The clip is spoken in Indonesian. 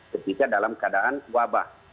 ketika dalam keadaan wabah